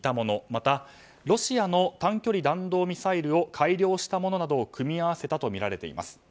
また、ロシアの短距離弾道ミサイルを改良したものなどを組み合わせたとみられています。